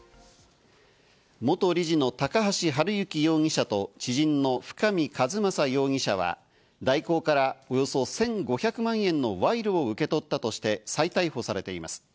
元理事の高橋治之容疑者と、知人の深見和政容疑者は、大広からおよそ１５００万円の賄賂を受け取ったとして再逮捕されています。